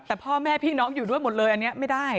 แต่พ่อแม่พี่น้องอยู่ด้วยหมดเลยอันนี้ไม่ได้